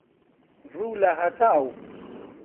ڕوو لە هەتاو